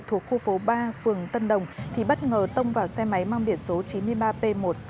thuộc khu phố ba phường tân đồng thì bất ngờ tông vào xe máy mang biển số chín mươi ba p một trăm sáu mươi chín nghìn ba trăm ba mươi